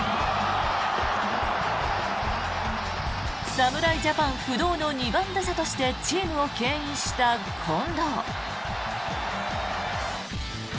侍ジャパン不動の２番打者としてチームをけん引した近藤。